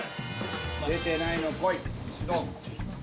出てないのこい！